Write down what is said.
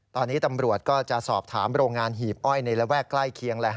ตอนนี้ตำรวจก็จะสอบถามโรงงานหีบอ้อยในระแวกใกล้เคียง